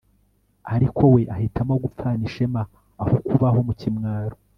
ariko we ahitamo gupfana ishema aho kubaho mu kimwaro